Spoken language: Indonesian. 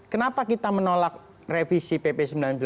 kenapa kita menolak revisi pp sembilan puluh sembilan dua ribu dua belas